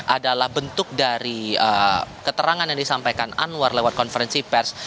adalah bentuk dari keterangan yang disampaikan anwar lewat konferensi pers